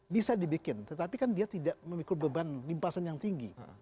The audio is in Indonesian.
bisa dibikin tetapi kan dia tidak memikul beban limpasan yang tinggi